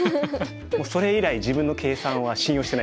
もうそれ以来自分の計算は信用してないです。